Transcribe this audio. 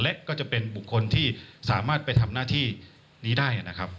และก็จะเป็นบุคคลที่สามารถไปทำหน้าที่นี้ได้นะครับ